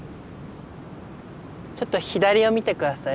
ちょっと左を見て下さい。